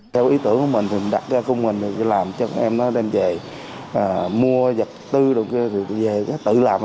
theo ý tưởng của mình thì mình đặt ra mô hình làm cho các em đem về mua giặt tư rồi về tự làm